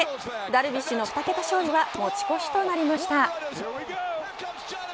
ダルビッシュの２桁勝利は持ち越しとなりました。